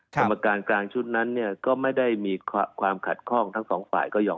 กรรมการกลางชุดนั้นเนี่ยก็ไม่ได้มีความขัดข้องทั้งสองฝ่ายก็ยอม